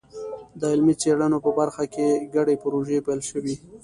د علمي څېړنو په برخه کې ګډې پروژې پیل شوي.